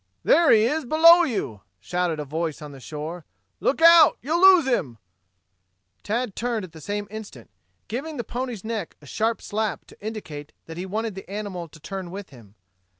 "There he is below you!" shouted a voice on shore. "Look out, you'll lose him." Tad turned at the same instant, giving the pony's neck a sharp slap to indicate that he wanted the animal to turn with him.